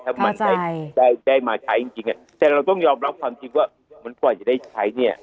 ถ้ามันได้มาใช้จริงแต่เราต้องยอมรับความจริงว่ามันกว่าจะได้ใช้เนี่ย